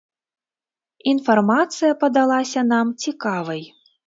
Інфармацыя падалася нам цікавай.